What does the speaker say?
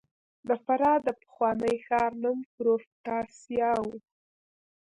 د فراه د پخواني ښار نوم پروفتاسیا و